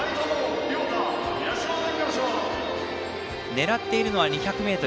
狙っているのは２００ｍ。